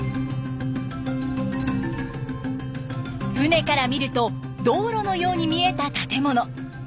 船から見ると道路のように見えた建物。